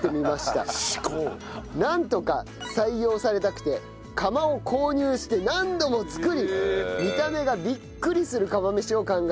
なんとか採用されたくて釜を購入して何度も作り見た目がビックリする釜飯を考えました。